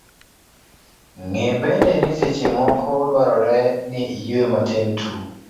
Ng'e bende ni seche moko dwarore ni iyue matin tu.